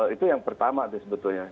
itu yang pertama sebetulnya